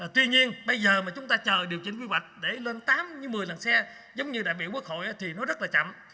tuy nhiên bây giờ mà chúng ta chờ điều chỉnh quy hoạch để lên tám một mươi lần xe giống như đại biểu quốc hội thì nó rất là chậm